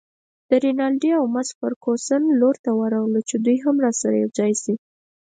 د رینالډي او مس فرګوسن لور ته ورغلو چې دوی هم راسره یوځای شي.